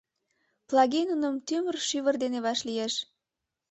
Плагий нуным тӱмыр-шӱвыр дене вашлиеш.